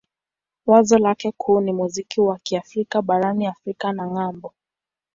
Wazo lake kuu ni muziki wa Kiafrika barani Afrika na ng'ambo.